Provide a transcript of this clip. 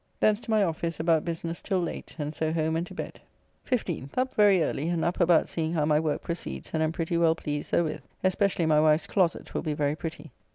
Thence to my office about business till late, and so home and to bed. 15th. Up very early, and up about seeing how my work proceeds, and am pretty well pleased therewith; especially my wife's closet will be very pretty.